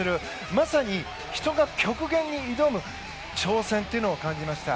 まさに人が極限に挑む挑戦を感じました。